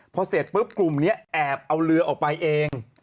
พอเสร็จปุ๊บกลุ่มนี้แอบเอาเรือออกไปเอง